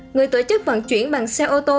người tổ chức vận chuyển bằng xe ô tô